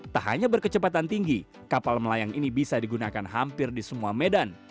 tak hanya berkecepatan tinggi kapal melayang ini bisa digunakan hampir di semua medan